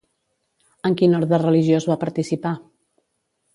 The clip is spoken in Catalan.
En quin orde religiós va participar?